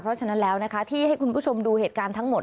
เพราะฉะนั้นแล้วนะคะที่ให้คุณผู้ชมดูเหตุการณ์ทั้งหมด